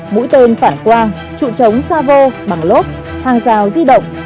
mũi tên phản quang trụ trống xa vô bằng lốp hàng rào di động